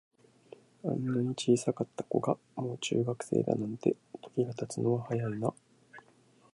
あんなに小さかった子が、もう中学生だなんて、時が経つのは早いなあ。